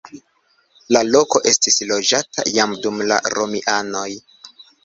La loko estis loĝata jam dum la romianoj.